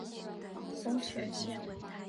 松前线。